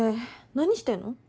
何してんの？